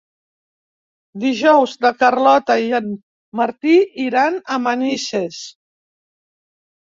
Dijous na Carlota i en Martí iran a Manises.